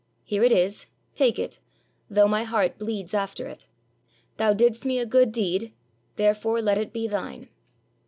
Here it is, take it, though my heart bleeds after it. Thou didst me a good deed, therefore let it be thine."